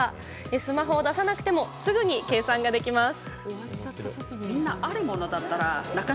スマホを出さなくてもすぐに計算ができます。